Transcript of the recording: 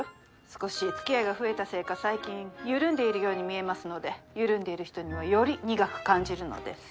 少し付き合いが増えたせいか最近緩んでいるように見えますので緩んでいる人にはより苦く感じるのです。